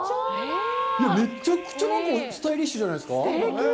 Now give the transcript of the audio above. めちゃくちゃスタイリッシュじゃないですか？